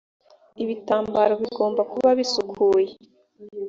ibitambaro bigomba kuba bisukuye